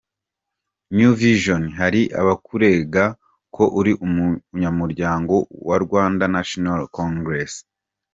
New Vision: Hari abakurega ko uri umunyamuryango wa Rwanda National Congress